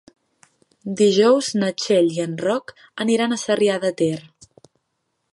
Dijous na Txell i en Roc aniran a Sarrià de Ter.